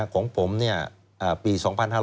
ของผมปี๒๕๕๙